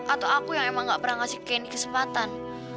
atau aku yang emang gak pernah ngasih kenny kesempatan